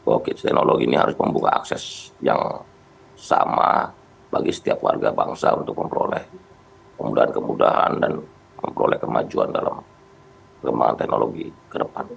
oke teknologi ini harus membuka akses yang sama bagi setiap warga bangsa untuk memperoleh kemudahan kemudahan dan memperoleh kemajuan dalam kembangan teknologi ke depan